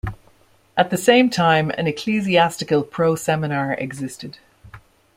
At the same time an ecclesiastical proseminar existed.